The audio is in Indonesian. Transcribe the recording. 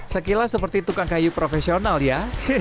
sekilas seperti tukang kayu profesional ya